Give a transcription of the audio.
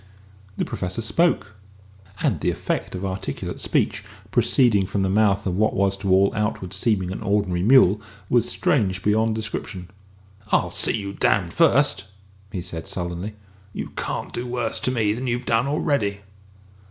The Professor spoke; and the effect of articulate speech proceeding from the mouth of what was to all outward seeming an ordinary mule was strange beyond description. "I'll see you damned first," he said sullenly. "You can't do worse to me than you've done already!"